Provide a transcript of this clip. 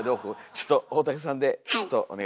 ちょっと大竹さんでちょっとお願いします